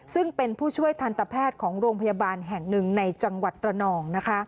ซึ่งเป็นผู้ช่วยทันตแพทย์ของโรงพยาบาลแห่งหนึ่งในจังหวัดระนอง